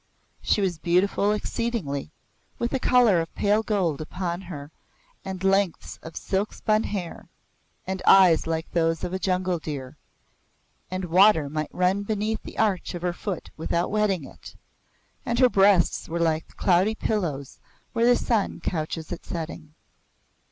She was beautiful exceedingly, with a colour of pale gold upon her and lengths of silk spun hair, and eyes like those of a jungle deer, and water might run beneath the arch of her foot without wetting it, and her breasts were like the cloudy pillows where the sun couches at setting.